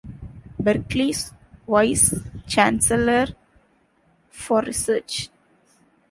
Berkeley's Vice Chancellor for Research.